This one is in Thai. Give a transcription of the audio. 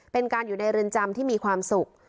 เป็นการอยู่ในเรือนจำที่มีความสุข